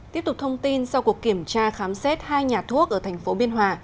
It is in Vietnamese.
tiếp tục thông tin sau cuộc kiểm tra khám xét hai nhà thuốc ở thành phố biên hòa